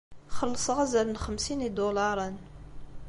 Xellṣeɣ azal n xemsin n yidulaṛen.